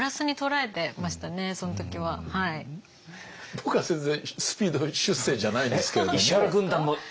僕は全然スピード出世じゃないんですけれども。